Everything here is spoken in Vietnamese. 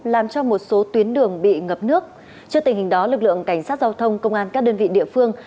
làm cho một số tuyến đường bị ngập nước trước tình hình đó lực lượng cảnh sát giao thông công an các đơn vị địa phương